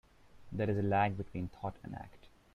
There is a lag between thought and act.